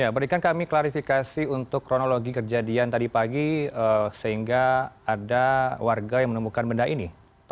berikan kami klarifikasi untuk kronologi kejadian tadi pagi sehingga ada warga yang menemukan benda ini